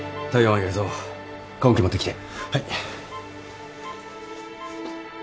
はい。